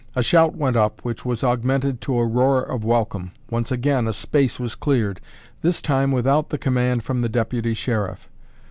A shout went up which was augmented to a roar of welcome. Once again a space was cleared; this time without the command from the Deputy Sheriff.